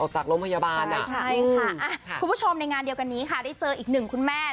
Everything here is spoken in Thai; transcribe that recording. ใช่ค่ะคุณผู้ชมในงานเดียวกันนี้ค่ะได้เจออีกหนึ่งคุณแม่